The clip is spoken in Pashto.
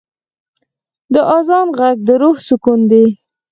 د آذان ږغ د روح سکون دی.